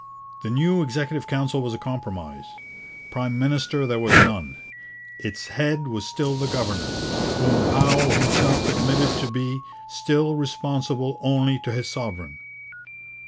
The new Executive Council was a compromise. Prime minister there was none. Its head was still the governor, whom Howe himself admitted to be 'still responsible only to his sovereign.'